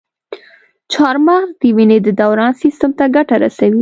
چارمغز د وینې د دوران سیستم ته ګټه رسوي.